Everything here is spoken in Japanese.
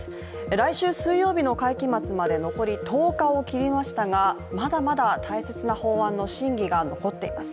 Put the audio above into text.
来週水曜日の会期末まで残り１０日を切りましたがまだまだ大切な法案の審議が残っています。